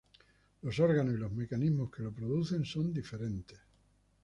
Los órganos y los mecanismos que los producen son diferentes.